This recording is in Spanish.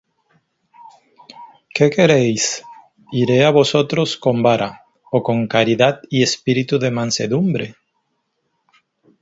¿Qué queréis? ¿iré á vosotros con vara, ó con caridad y espíritu de mansedumbre?